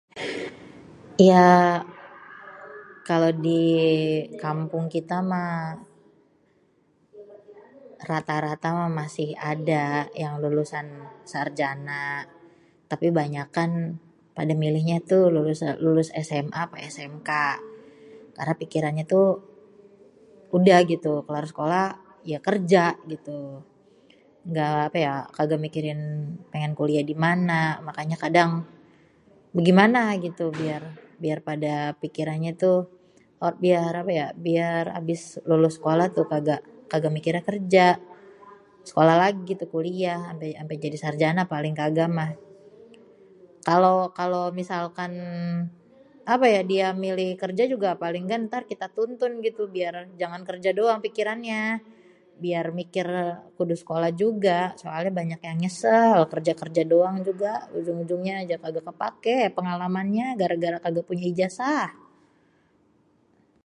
Iya kalo di kampung kita mah, rata-rata mah masih ada yang lulusan sarjana. Tapi banyakan pada milihnya tuh, lulus SMA apa SMK. Karena pikirannya tuh udah gitu, kêlar sekolah ya kerja gitu. Nggak apa ya, kagak mikirin pêngên kuliah di mana. Makanya kadang bêgimana gitu biar pada pikirannya tuh, biar apa ya, biar abis lulus sekolah tu kagak mikirnya kerja. Sekolah lagi gitu kuliah, ampé jadi sarjana gitu paling kagak mah. Kalo misalkan apa ya dia milih kerja juga paling nggak kan kita tuntun gitu biar jangan kerja doang pikirannya, biar mikir kudu sekolah juga. Soalnya banyak yang nyêsêl. Kerja-kerja doang juga ujung-ujungnya juga kagak kêpake pengalamannya gara-gara kagak punya ijasah.